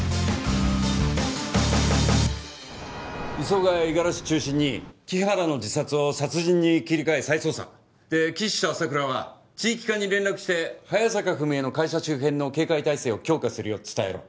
磯ヶ谷五十嵐中心に木原の自殺を殺人に切り替え再捜査で岸と朝倉は地域課に連絡して早坂文江の会社周辺の警戒態勢を強化するよう伝えろ